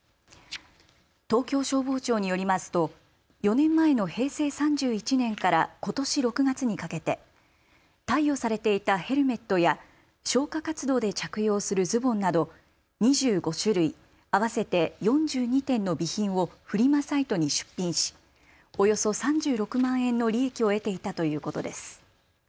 東京消防庁によりますと４年前の平成３１年からことし６月にかけて貸与されていたヘルメットや消火活動で着用するズボンなど２５種類、合わせて４２点の備品をフリマサイトに出品しおよそ３６万円の利益を得ていたということです。